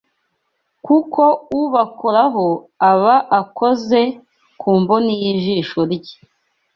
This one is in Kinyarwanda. Kuko ubakoraho, aba akoze ku mboni y’ijisho rye